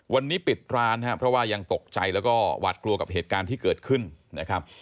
วันนี้ปิดร้านนะครับเพราะว่ายังตกใจแล้วก็หวาดกลัวกับเหตุการณ์ที่เกิดขึ้นนะครับ